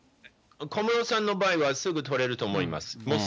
小室さんの場合はすぐ取れると思います。